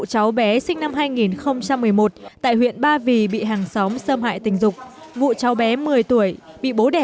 cháu bé sinh năm hai nghìn một mươi một tại huyện ba vì bị hàng xóm xâm hại tình dục vụ cháu bé một mươi tuổi bị bố đẻ